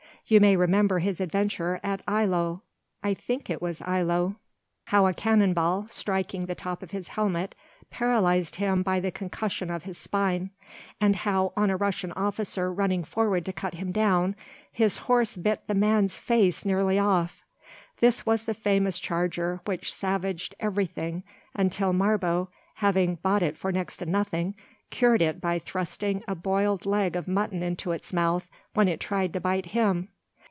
You may remember his adventure at Eylau—I think it was Eylau—how a cannon ball, striking the top of his helmet, paralyzed him by the concussion of his spine; and how, on a Russian officer running forward to cut him down, his horse bit the man's face nearly off. This was the famous charger which savaged everything until Marbot, having bought it for next to nothing, cured it by thrusting a boiling leg of mutton into its mouth when it tried to bite him.